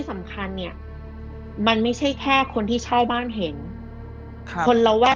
สำคัญเนี่ยมันไม่ใช่แค่คนที่เช่าบ้านเห็นค่ะคนระแวก